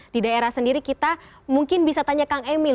di daerah sendiri kita mungkin bisa tanya kang emil